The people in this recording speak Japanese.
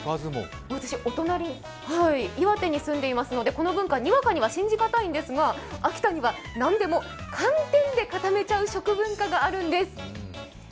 私、お隣・岩手に住んでいますのでこの文化、にわかには信じがたいんですが秋田には何でも寒天で固めちゃう食文化があるんです。